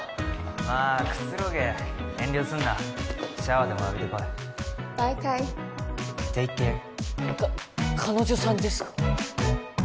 まあくつろげ遠慮すんなシャワーでも浴びてこいバイカイか彼女さんですか？